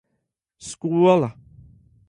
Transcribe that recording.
Skola.